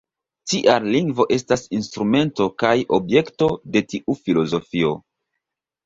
Tial lingvo estas instrumento kaj objekto de tiu filozofio.